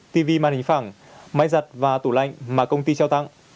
tv màn hình phẳng máy giặt và tủ lạnh mà công ty trao tặng